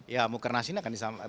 ya mukernas ini akan disampaikan